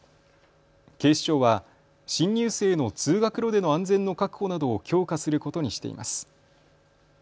警視庁は新入生の通学路での安全の確保などを強化することにしています。